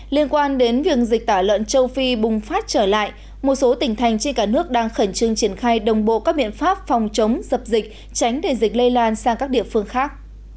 liên quan đến việc dịch tả lợn châu phi bùng phát trở lại một số tỉnh thành trên cả nước đang khẩn trương triển khai đồng bộ các biện pháp phòng chống dập dịch tránh để dịch lây lan sang các địa phương khác